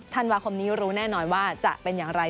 ธันวาคมนี้รู้แน่นอนว่าจะเป็นอย่างไร